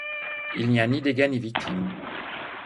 Il n'y a ni dégâts, ni victimes.